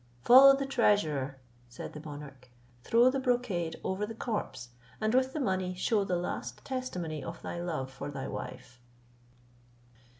"Follow the treasurer," said the monarch; "throw the brocade over the corpse, and with the money shew the last testimony of thy love for thy wife."